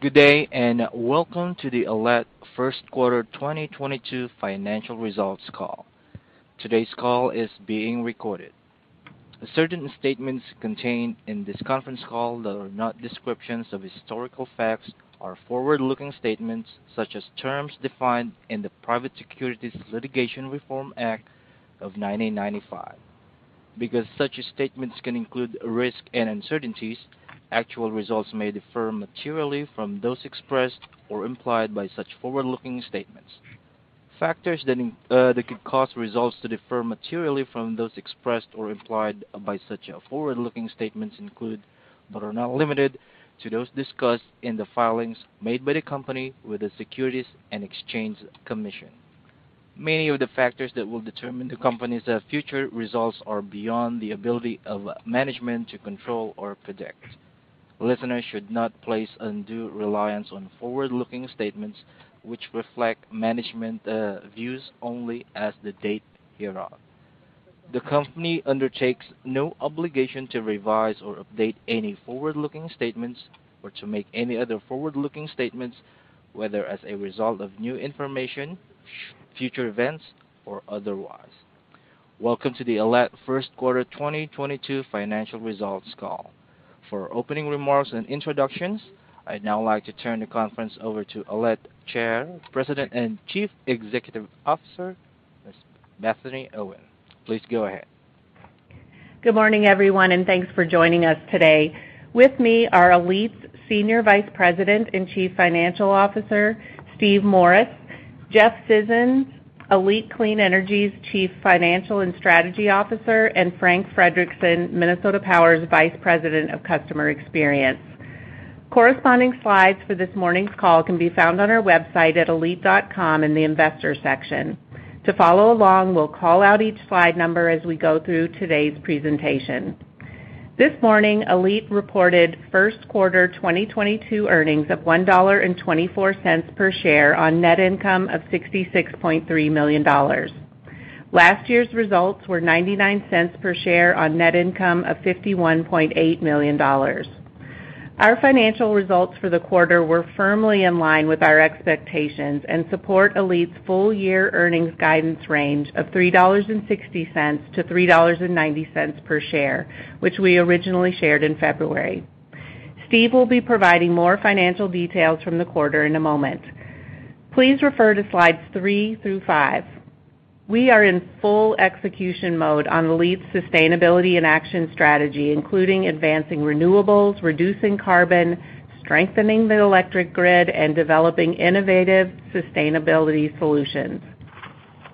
sGood day, and welcome to the ALLETE first quarter 2022 financial results call. Today's call is being recorded. Certain statements contained in this conference call that are not descriptions of historical facts are forward-looking statements such as terms defined in the Private Securities Litigation Reform Act of 1995. Because such statements can include risk and uncertainties, actual results may differ materially from those expressed or implied by such forward-looking statements. Factors that could cause results to differ materially from those expressed or implied by such forward-looking statements include, but are not limited to those discussed in the filings made by the company with the Securities and Exchange Commission. Many of the factors that will determine the company's future results are beyond the ability of management to control or predict. Listeners should not place undue reliance on forward-looking statements which reflect management views only as of the date hereof. The company undertakes no obligation to revise or update any forward-looking statements or to make any other forward-looking statements, whether as a result of new information, future events, or otherwise. Welcome to the ALLETE first quarter 2022 financial results call. For opening remarks and introductions, I'd now like to turn the conference over to ALLETE Chair, President, and Chief Executive Officer, Ms. Bethany Owen. Please go ahead. Good morning, everyone, and thanks for joining us today. With me are ALLETE's Senior Vice President and Chief Financial Officer, Steve Morris, Jeff Scissons, ALLETE Clean Energy's Chief Financial and Strategy Officer, and Frank Frederickson, Minnesota Power's Vice President of Customer Experience. Corresponding slides for this morning's call can be found on our website at allete.com in the Investors section. To follow along, we'll call out each slide number as we go through today's presentation. This morning, ALLETE reported first quarter 2022 earnings of $1.24 per share on net income of $66.3 million. Last year's results were $0.99 per share on net income of $51.8 million. Our financial results for the quarter were firmly in line with our expectations and support ALLETE's full-year earnings guidance range of $3.60-$3.90 per share, which we originally shared in February. Steve will be providing more financial details from the quarter in a moment. Please refer to slides three through five. We are in full execution mode on ALLETE's sustainability and action strategy, including advancing renewables, reducing carbon, strengthening the electric grid, and developing innovative sustainability solutions.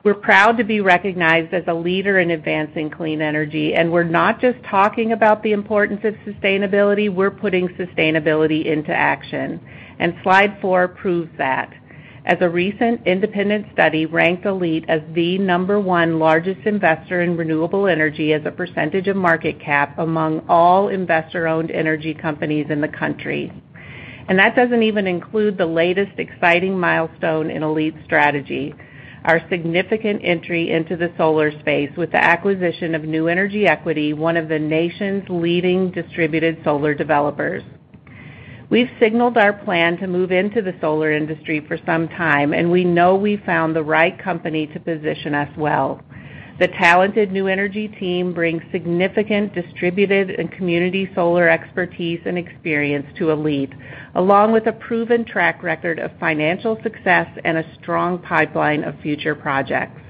We're proud to be recognized as a leader in advancing clean energy, and we're not just talking about the importance of sustainability, we're putting sustainability into action. Slide four proves that. As a recent independent study ranked ALLETE as the Number one largest investor in renewable energy as a percentage of market cap among all investor-owned energy companies in the country. That doesn't even include the latest exciting milestone in ALLETE's strategy, our significant entry into the solar space with the acquisition of New Energy Equity, one of the nation's leading distributed solar developers. We've signaled our plan to move into the solar industry for some time, and we know we found the right company to position us well. The talented New Energy team brings significant distributed and community solar expertise and experience to ALLETE, along with a proven track record of financial success and a strong pipeline of future projects.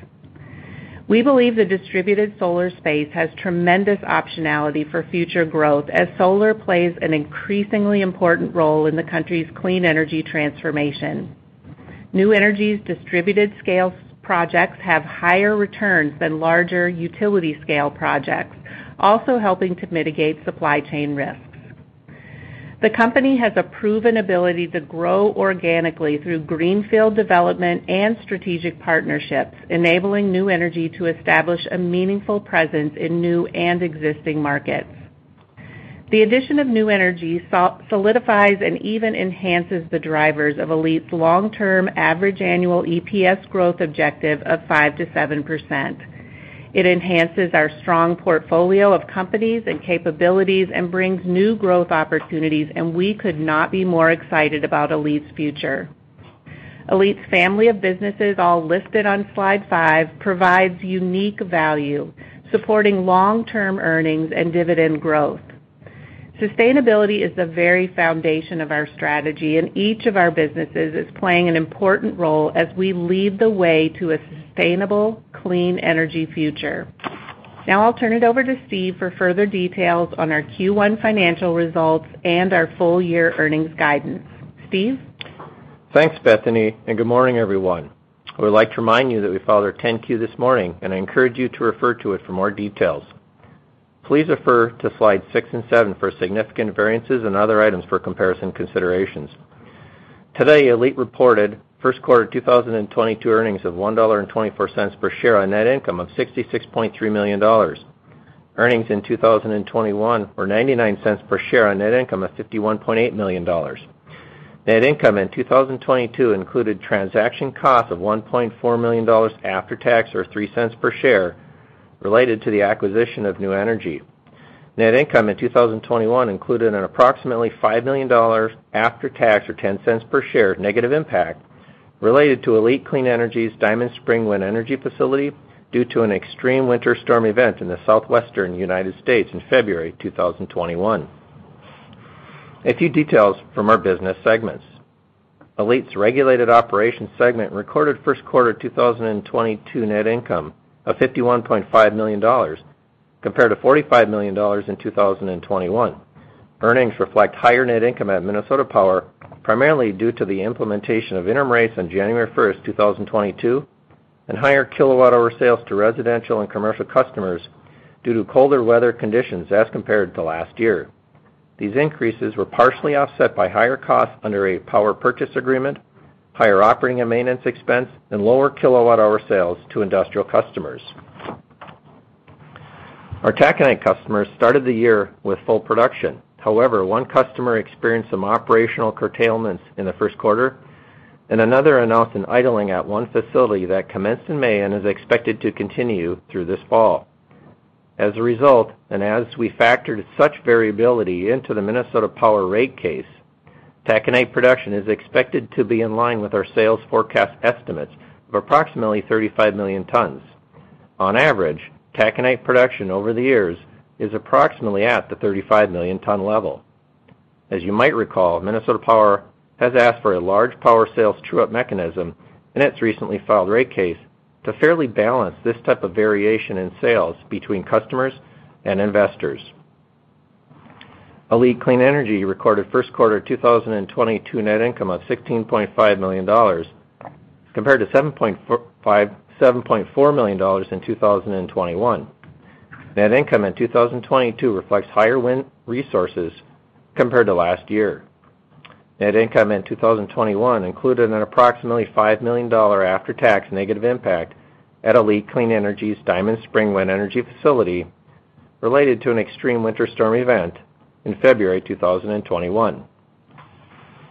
We believe the distributed solar space has tremendous optionality for future growth as solar plays an increasingly important role in the country's clean energy transformation. New Energy's distributed scale projects have higher returns than larger utility scale projects, also helping to mitigate supply chain risks. The company has a proven ability to grow organically through greenfield development and strategic partnerships, enabling New Energy to establish a meaningful presence in new and existing markets. The addition of New Energy solidifies and even enhances the drivers of ALLETE's long-term average annual EPS growth objective of 5%-7%. It enhances our strong portfolio of companies and capabilities and brings new growth opportunities, and we could not be more excited about ALLETE's future. ALLETE's family of businesses, all listed on slide five, provides unique value, supporting long-term earnings and dividend growth. Sustainability is the very foundation of our strategy, and each of our businesses is playing an important role as we lead the way to a sustainable, clean energy future. Now I'll turn it over to Steve for further details on our Q1 financial results and our full-year earnings guidance. Steve? Thanks, Bethany, and good morning, everyone. I would like to remind you that we filed our 10-Q this morning, and I encourage you to refer to it for more details. Please refer to slides six and seven for significant variances and other items for comparison considerations. Today, ALLETE reported first quarter 2022 earnings of $1.24 per share on net income of $66.3 million. Earnings in 2021 were $0.99 per share on net income of $51.8 million. Net income in 2022 included transaction costs of $1.4 million after tax, or $0.03 per share related to the acquisition of New Energy. Net income in 2021 included an approximately $5 million after tax or $0.10 per share negative impact related to ALLETE Clean Energy's Diamond Spring wind energy facility due to an extreme winter storm event in the Southwestern United States in February 2021. A few details from our business segments. ALLETE's Regulated Operations segment recorded first quarter 2022 net income of $51.5 million compared to $45 million in 2021. Earnings reflect higher net income at Minnesota Power, primarily due to the implementation of interim rates on January 1st, 2022, and higher kilowatt hour sales to residential and commercial customers due to colder weather conditions as compared to last year. These increases were partially offset by higher costs under a power purchase agreement, higher operating and maintenance expense, and lower kilowatt hour sales to industrial customers. Our taconite customers started the year with full production. However, one customer experienced some operational curtailments in the first quarter, and another announced an idling at one facility that commenced in May and is expected to continue through this fall. As a result, and as we factored such variability into the Minnesota Power rate case, taconite production is expected to be in line with our sales forecast estimates of approximately 35 million tons. On average, taconite production over the years is approximately at the 35 million ton level. As you might recall, Minnesota Power has asked for a large power sales true-up mechanism in its recently filed rate case to fairly balance this type of variation in sales between customers and investors. ALLETE Clean Energy recorded first quarter 2022 net income of $16.5 million compared to $7.4 million in 2021. Net income in 2022 reflects higher wind resources compared to last year. Net income in 2021 included an approximately $5 million after-tax negative impact at ALLETE Clean Energy's Diamond Spring Wind Energy facility related to an extreme winter storm event in February 2021.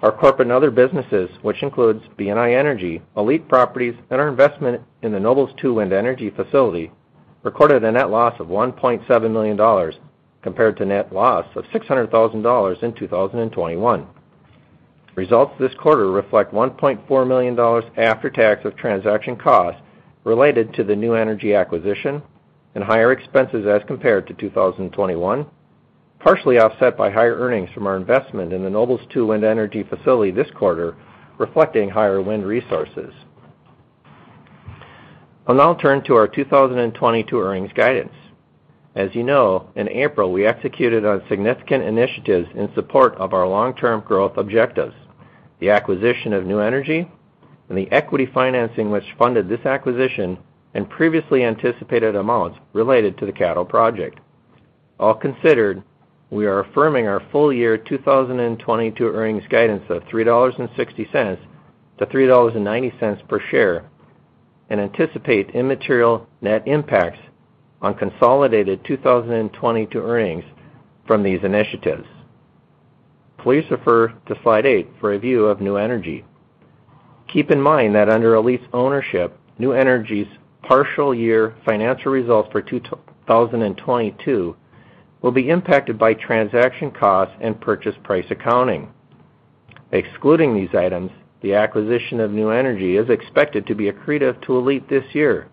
Our corporate and other businesses, which includes BNI Energy, ALLETE Properties, and our investment in the Nobles two Wind Energy facility, recorded a net loss of $1.7 million compared to net loss of $600,000 in 2021. Results this quarter reflect $1.4 million after tax of transaction costs related to the New Energy acquisition and higher expenses as compared to 2021, partially offset by higher earnings from our investment in the Nobles two Wind Energy facility this quarter, reflecting higher wind resources. I'll now turn to our 2022 earnings guidance. As you know, in April, we executed on significant initiatives in support of our long-term growth objectives, the acquisition of New Energy and the equity financing which funded this acquisition and previously anticipated amounts related to the Caddo project. All considered, we are affirming our full-year 2022 earnings guidance of $3.60-$3.90 per share and anticipate immaterial net impacts on consolidated 2022 earnings from these initiatives. Please refer to slide eight for a view of New Energy. Keep in mind that under ALLETE's ownership, New Energy's partial year financial results for 2022 will be impacted by transaction costs and purchase price accounting. Excluding these items, the acquisition of New Energy is expected to be accretive to ALLETE this year,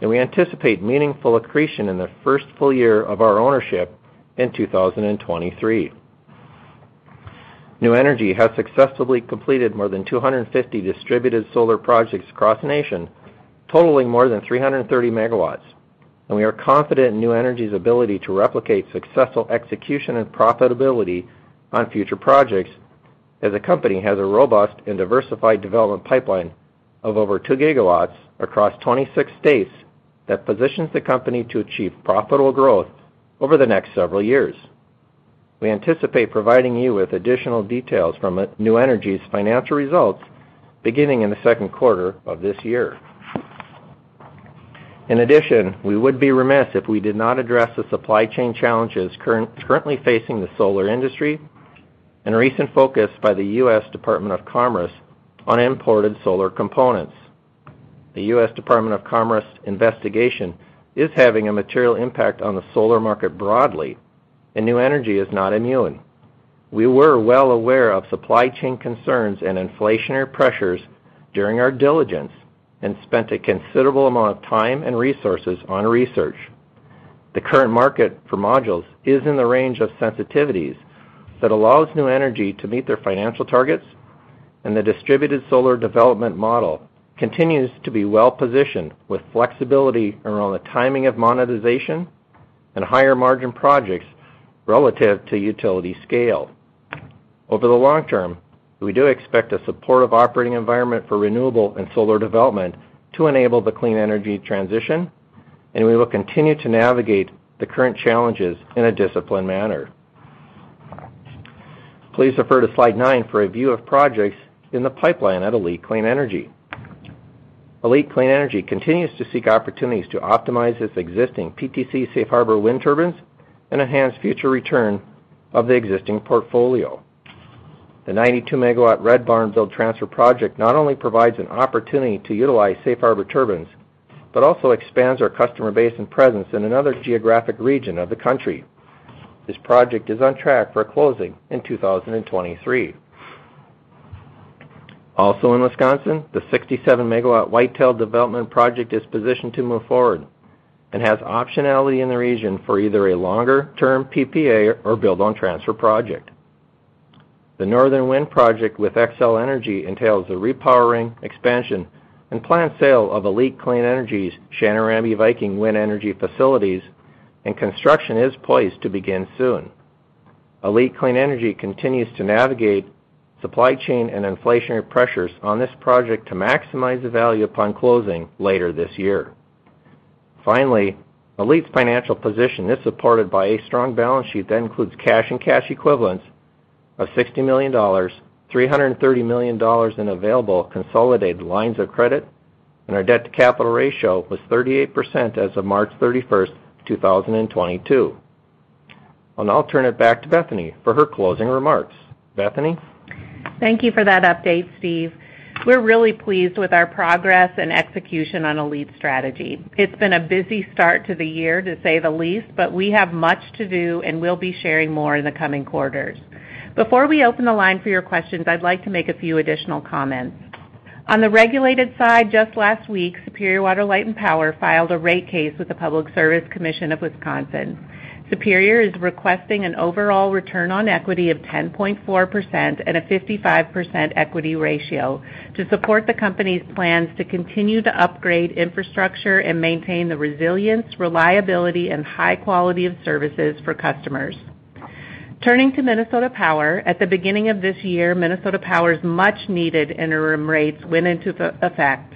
and we anticipate meaningful accretion in the first full year of our ownership in 2023. New Energy has successfully completed more than 250 distributed solar projects across the nation, totaling more than 330 MW, and we are confident in New Energy's ability to replicate successful execution and profitability on future projects as the company has a robust and diversified development pipeline of over 2 GW across 26 states that positions the company to achieve profitable growth over the next several years. We anticipate providing you with additional details from New Energy's financial results beginning in the second quarter of this year. In addition, we would be remiss if we did not address the supply chain challenges currently facing the solar industry and recent focus by the U.S. Department of Commerce on imported solar components. The U.S. Department of Commerce investigation is having a material impact on the solar market broadly, and New Energy is not immune. We were well aware of supply chain concerns and inflationary pressures during our diligence and spent a considerable amount of time and resources on research. The current market for modules is in the range of sensitivities that allows New Energy Equity to meet their financial targets, and the distributed solar development model continues to be well positioned with flexibility around the timing of monetization and higher-margin projects relative to utility scale. Over the long term, we do expect a supportive operating environment for renewable and solar development to enable the clean energy transition, and we will continue to navigate the current challenges in a disciplined manner. Please refer to slide nine for a view of projects in the pipeline at ALLETE Clean Energy. ALLETE Clean Energy continues to seek opportunities to optimize its existing PTC Safe Harbor wind turbines and enhance future return of the existing portfolio. The 92-MW Red Barn Build Transfer project not only provides an opportunity to utilize Safe Harbor turbines, but also expands our customer base and presence in another geographic region of the country. This project is on track for closing in 2023. Also in Wisconsin, the 67-MW White Tail development project is positioned to move forward and has optionality in the region for either a longer-term PPA or build transfer project. The Northern Wind project with Xcel Energy entails the repowering expansion and planned sale of ALLETE Clean Energy's Chanarambie-Viking wind energy facilities, and construction is poised to begin soon. ALLETE Clean Energy continues to navigate supply chain and inflationary pressures on this project to maximize the value upon closing later this year. Finally, ALLETE's financial position is supported by a strong balance sheet that includes cash and cash equivalents of $60 million, $330 million in available consolidated lines of credit, and our debt to capital ratio was 38% as of March 31st, 2022. I'll now turn it back to Bethany for her closing remarks. Bethany? Thank you for that update, Steve. We're really pleased with our progress and execution on ALLETE's strategy. It's been a busy start to the year, to say the least, but we have much to do, and we'll be sharing more in the coming quarters. Before we open the line for your questions, I'd like to make a few additional comments. On the regulated side, just last week, Superior Water, Light and Power filed a rate case with the Public Service Commission of Wisconsin. Superior is requesting an overall return on equity of 10.4% and a 55% equity ratio to support the company's plans to continue to upgrade infrastructure and maintain the resilience, reliability, and high quality of services for customers. Turning to Minnesota Power, at the beginning of this year, Minnesota Power's much needed interim rates went into effect.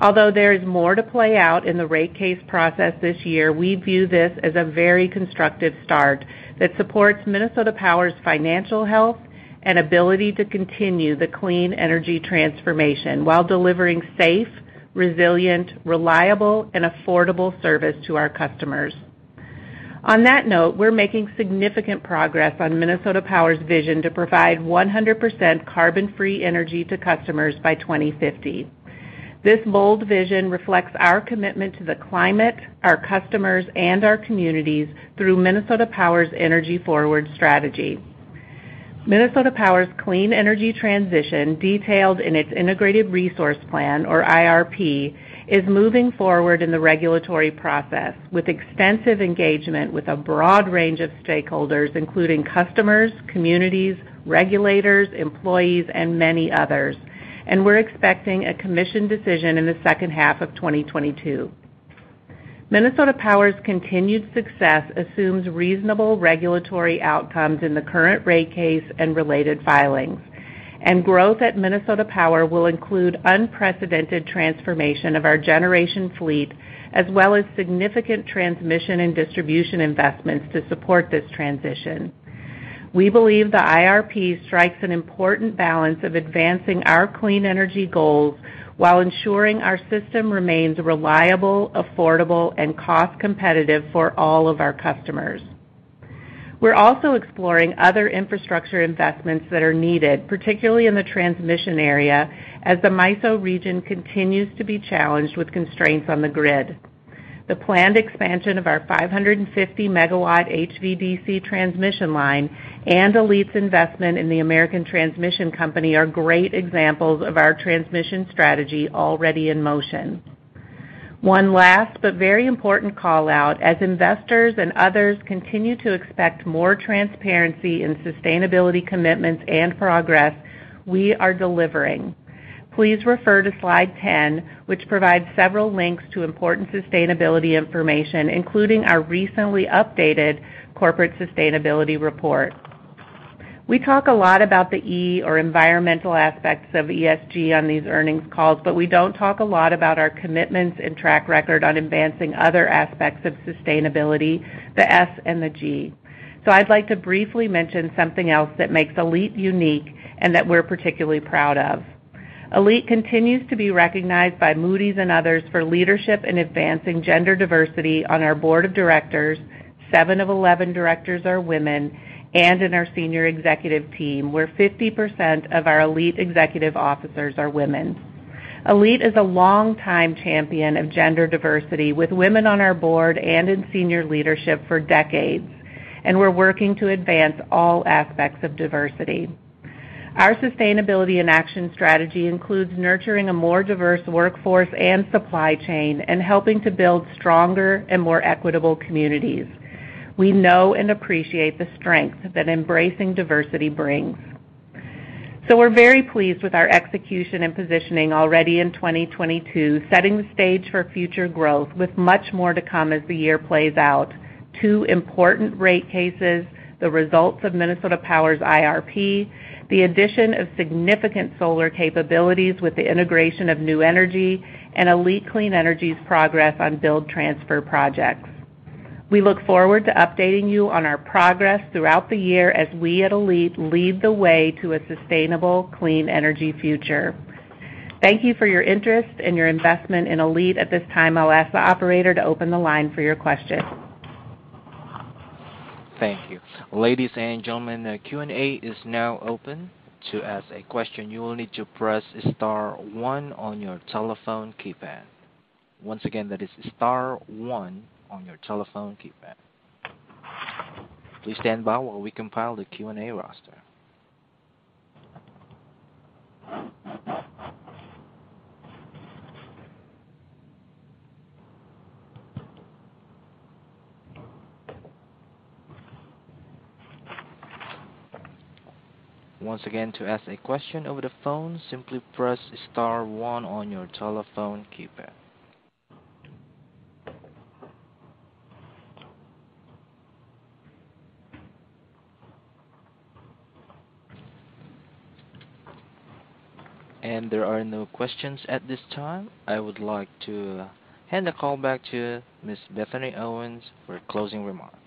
Although there is more to play out in the rate case process this year, we view this as a very constructive start that supports Minnesota Power's financial health and ability to continue the clean energy transformation while delivering safe, resilient, reliable, and affordable service to our customers. On that note, we're making significant progress on Minnesota Power's vision to provide 100% carbon-free energy to customers by 2050. This bold vision reflects our commitment to the climate, our customers, and our communities through Minnesota Power's Energy Forward strategy. Minnesota Power's clean energy transition, detailed in its integrated resource plan, or IRP, is moving forward in the regulatory process with extensive engagement with a broad range of stakeholders, including customers, communities, regulators, employees, and many others, and we're expecting a commission decision in the second half of 2022. Minnesota Power's continued success assumes reasonable regulatory outcomes in the current rate case and related filings. Growth at Minnesota Power will include unprecedented transformation of our generation fleet, as well as significant transmission and distribution investments to support this transition. We believe the IRP strikes an important balance of advancing our clean energy goals while ensuring our system remains reliable, affordable, and cost competitive for all of our customers. We're also exploring other infrastructure investments that are needed, particularly in the transmission area, as the MISO region continues to be challenged with constraints on the grid. The planned expansion of our 550-MW HVDC transmission line and ALLETE's investment in the American Transmission Company are great examples of our transmission strategy already in motion. One last but very important call-out. As investors and others continue to expect more transparency in sustainability commitments and progress, we are delivering. Please refer to slide 10, which provides several links to important sustainability information, including our recently updated corporate sustainability report. We talk a lot about the E or environmental aspects of ESG on these earnings calls, but we don't talk a lot about our commitments and track record on advancing other aspects of sustainability, the S and the G. I'd like to briefly mention something else that makes ALLETE unique and that we're particularly proud of. ALLETE continues to be recognized by Moody's and others for leadership in advancing gender diversity on our board of directors, seven of 11 directors are women, and in our senior executive team, where 50% of our ALLETE executive officers are women. ALLETE is a long-time champion of gender diversity, with women on our board and in senior leadership for decades, and we're working to advance all aspects of diversity. Our sustainability and action strategy includes nurturing a more diverse workforce and supply chain and helping to build stronger and more equitable communities. We know and appreciate the strength that embracing diversity brings. We're very pleased with our execution and positioning already in 2022, setting the stage for future growth with much more to come as the year plays out. Two important rate cases, the results of Minnesota Power's IRP, the addition of significant solar capabilities with the integration of New Energy Equity, and ALLETE Clean Energy's progress on Build Transfer projects. We look forward to updating you on our progress throughout the year as we at ALLETE lead the way to a sustainable, clean energy future. Thank you for your interest and your investment in ALLETE. At this time, I'll ask the operator to open the line for your questions. Thank you. Ladies and gentlemen, the Q&A is now open. To ask a question, you will need to press star one on your telephone keypad. Once again, that is star one on your telephone keypad. Please stand by while we compile the Q&A roster. Once again, to ask a question over the phone, simply press star one on your telephone keypad. There are no questions at this time. I would like to hand the call back to Ms. Bethany Owen for closing remarks.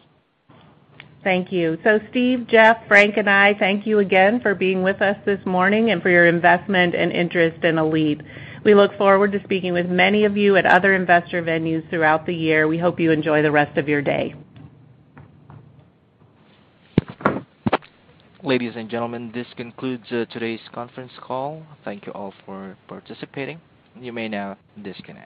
Thank you. Steve, Jeff, Frank, and I thank you again for being with us this morning and for your investment and interest in ALLETE. We look forward to speaking with many of you at other investor venues throughout the year. We hope you enjoy the rest of your day. Ladies and gentlemen, this concludes today's conference call. Thank you all for participating. You may now disconnect.